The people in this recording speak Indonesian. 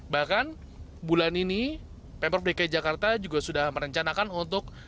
bahkan bulan ini pemprov dki jakarta juga sudah merencanakan untuk